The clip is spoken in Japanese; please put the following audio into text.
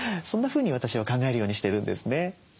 そんなふうに私は考えるようにしてるんですね。